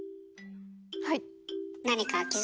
はい。